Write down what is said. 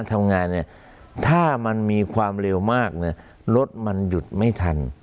ทำงานเนี่ยถ้ามันมีความเร็วมากเนี่ยรถมันหยุดไม่ทัน